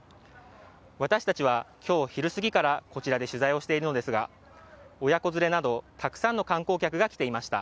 私たちは今日昼すぎからこちらで取材しているのですが親子連れなどたくさんの観光客が来ていました。